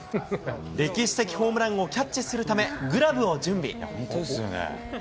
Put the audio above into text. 歴史的ホームランをキャッチするため、グラブを準備。